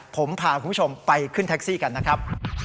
ผมพาคุณผู้ชมไปขึ้นแท็กซี่กันนะครับ